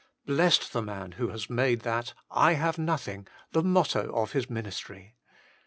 Blessed the man who has made that " I have nothing," the motto of his ministry.